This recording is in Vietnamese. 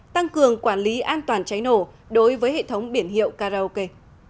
tăng cường quản lý an toàn cháy nổ đối với hệ thống biển hiệu karaoke